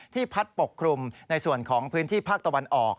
พัดปกคลุมในส่วนของพื้นที่ภาคตะวันออก